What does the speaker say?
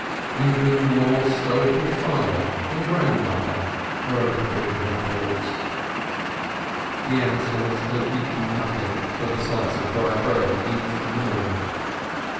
Even the more stoical father and grandmother were a little in her thoughts. The Ansells had eaten nothing but a slice of dry bread each in the morning.